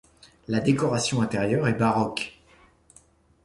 La décoration intérieure est baroque.